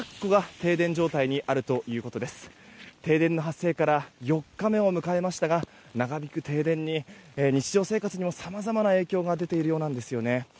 停電の発生から４日目を迎えましたが長引く停電で日常生活にもさまざまな影響が出ているようです。